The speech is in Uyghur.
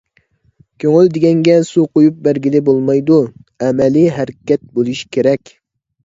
كۆڭۈل دېگەنگە سۇ قۇيۇپ بەرگىلى بولمايدۇ، ئەمەلىي ھەرىكەت بولۇشى كېرەك.